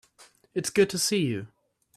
It's good to see you.